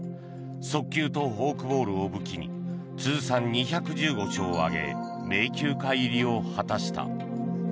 速球とフォークボールを武器に通算２１５勝を挙げ名球会入りを果たした。